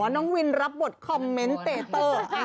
น้องวินรับบทคอมเมนต์เตเตอร์